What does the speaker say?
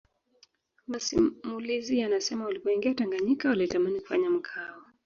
Masimulizi yanasema walipoingia Tanganyika walitamani kufanya makao